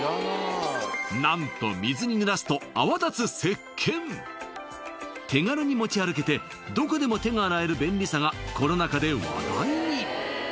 何と水に濡らすと泡立つ石けん手軽に持ち歩けてどこでも手が洗える便利さがコロナ禍で話題に！